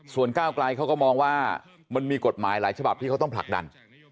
ส่วนก้าวไกลเขาก็มองว่ามันมีกฎหมายหลายฉบับที่เขาต้องผลักดัน